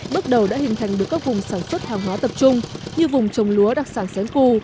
bước đầu đã hình thành được các vùng sản xuất hàng hóa tập trung như vùng trồng lúa đặc sản xén cu